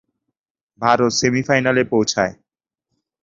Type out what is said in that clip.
Bharat semifinal এ পৌঁছায়।